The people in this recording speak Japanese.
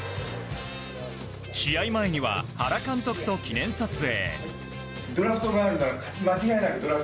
試合前には、原監督と記念撮影。